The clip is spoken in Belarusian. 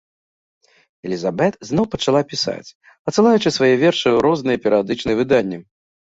Элізабет зноў пачала пісаць, адсылаючы свае вершы ў розныя перыядычныя выданні.